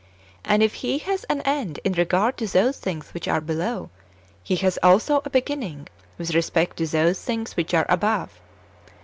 And if He has an end in regard to those things wdiich are below, He has also a beginning with respect to those things wdiich are above.